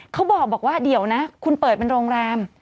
เขาบอกว่าเดี๋ยวนะคุณเปิดเป็นโรงแรม